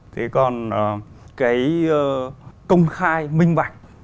thế còn cái công khai minh bạch